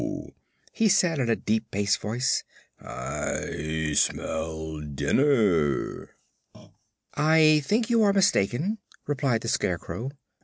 he said in a deep bass voice; "I smell dinner." "I think you are mistaken," replied the Scarecrow.